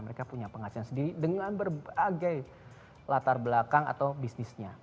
mereka punya penghasilan sendiri dengan berbagai latar belakang atau bisnisnya